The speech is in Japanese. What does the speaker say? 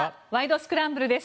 スクランブル」です。